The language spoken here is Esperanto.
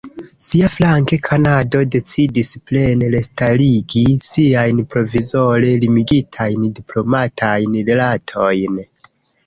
Siaflanke Kanado decidis plene restarigi siajn provizore limigitajn diplomatajn rilatojn.